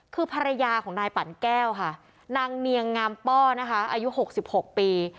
คือภรรยาของนายปั่นแก้วค่ะนางเนียงงามป้อนะคะอายุ๖๖ปี